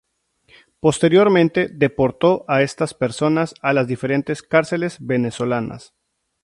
Posteriormente deportó a estas personas a las diferentes cárceles venezolanas.